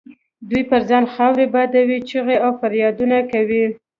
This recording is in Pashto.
دوی پر ځان خاورې بادوي، چیغې او فریادونه کوي.